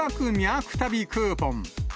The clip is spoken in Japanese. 旅クーポン。